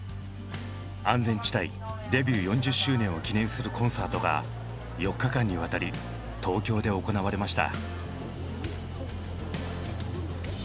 安全地帯デビュー４０周年を記念するコンサートが４日間にわたり東京で行われました。